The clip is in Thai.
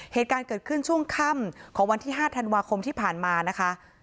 เหตุการณ์เกิดขึ้นช่วงค่ำของวันที่๕ธันวาคมที่ผ่านมานะคะ